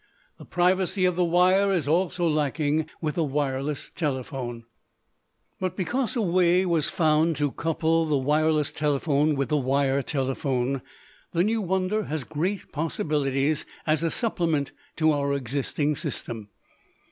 The privacy of the wire is also lacking with the wireless telephone. But because a way was found to couple the wireless telephone with the wire telephone, the new wonder has great possibilities as a supplement to our existing system.